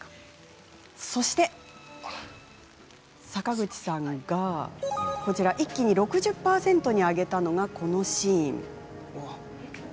そして、坂口さんが一気に６０％に上げたのがこのシーン。